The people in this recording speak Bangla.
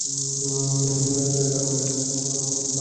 তিন বছর আগে গ্রামের চাষি মোহাম্মদ আলম প্রথম কচু চাষ শুরু করেন।